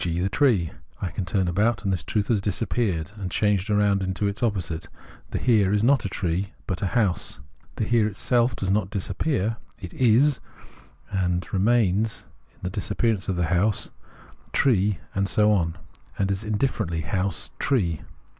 g. the tree. I turn about and this truth has disappeared and has changed round into its opposite : the Here is not a tree, but a house. The Here itself does not disappear ; it is and remains in the disappearance of the house, tree, and so on, and is indifferently house, tree.